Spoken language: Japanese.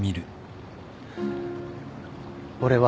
俺は。